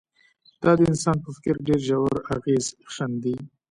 دا د انسان په فکر ډېر ژور اغېز ښندي